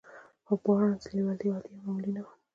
خو د بارنس لېوالتیا عادي او معمولي نه وه.